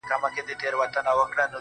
بيا دادی پخلا سوه ،چي ستا سومه.